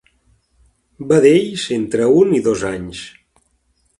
Vedells entre un i dos anys.